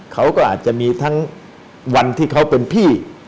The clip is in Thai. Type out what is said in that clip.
เขาก็อาจจะมีทั้งวันที่เขาเป็นพี่